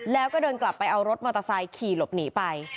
แล้วก็เดินกลับไปเอารถมอเตอร์ไซค์ขี่หลบหนีไป